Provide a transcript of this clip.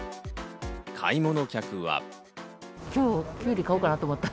買い物客は。